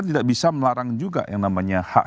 tidak bisa melarang juga yang namanya hak